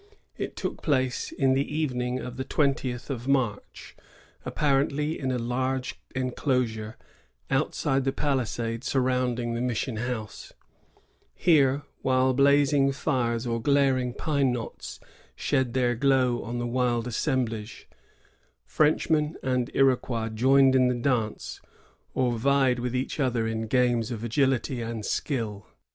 It took place in the evening of the twentieth of March, apparently in a large enclosure outside the palisade surrounding the mission house. He«, while SX a™, or gl.Lg pine kno* ,hed their glow on the wild assemblage. Frenchmen and Iroquois joined in the dance, or vied with each other in games of agility and skill.